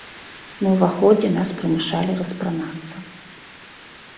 На ўваходзе нас прымушалі распранацца.